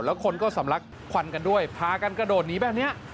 แล้วคนก็สำลักควันกันด้วยพากันกระโดดหนีแบบนี้